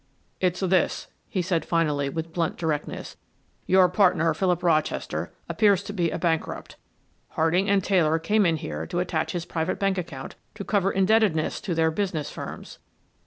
"It's this," he said finally, with blunt directness. "Your partner, Philip Rochester, appears to be a bankrupt. Harding and Taylor came in here to attach his private bank account to cover indebtedness to their business firms."